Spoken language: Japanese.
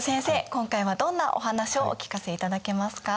今回はどんなお話をお聞かせいただけますか？